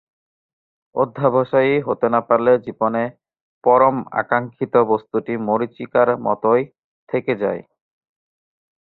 অধ্যবসায়ী হতে না পারলে জীবনে পরম আকাঙ্খিত বস্তুটি মরীচিকার মতোই থেকে যায়।